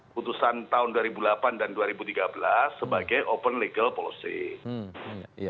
putusan tahun dua ribu delapan dan dua ribu tiga belas sebagai open legal policy